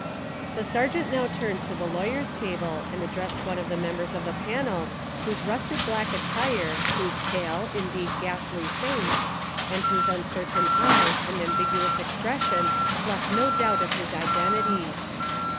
The Sergeant now turned to the lawyers' ta ble and addressed one of the members of the panel whose rusted black attire, whose pale, in deed ghastly, face and whose uncertain eyes and ambiguous expression left no doubt of his iden tity.